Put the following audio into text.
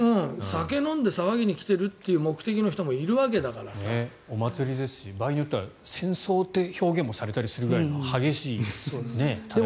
酒を飲んで騒ぎに来ているという目的の人はお祭りですし場合によっては戦争って表現をされたりするくらいの激しい大会。